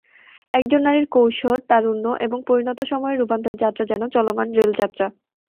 একজন নারীর কৈশোর, তারুণ্য এবং পরিণত সময়ের রূপান্তরের যাত্রা যেন চলমান রেলযাত্রা।